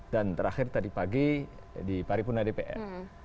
dan terakhir tadi pagi di paripuna dpr